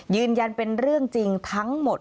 ยืนยันเป็นเรื่องจริงทั้งหมด